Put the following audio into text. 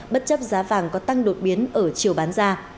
bất chấp giá vàng có tăng đột biến ở chiều bán ra